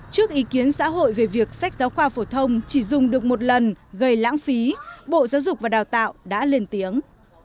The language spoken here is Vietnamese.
trước ý kiến xã hội về việc sách giáo khoa phổ thông chỉ dùng được một lần gây lãng phí bộ giáo dục và đào tạo đã lên tiếng